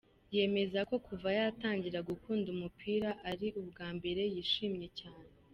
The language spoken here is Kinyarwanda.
Yemeza ko kuva yatangira gukunda umupira ari ubwa mbere yishimye cyane.